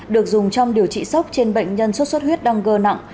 được dùng trong điều trị sốc trên bệnh nhân sốt xuất huyết đang gơ nặng